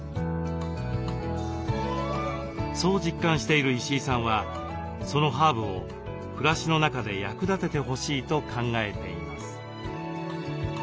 そう実感している石井さんはそのハーブを暮らしの中で役立ててほしいと考えています。